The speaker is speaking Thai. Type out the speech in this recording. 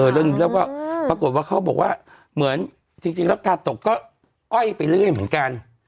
แล้วก็ปรากฏว่าเขาบอกว่าเหมือนจริงแล้วกาตกก็อ้อยไปเรื่อยเหมือนกัน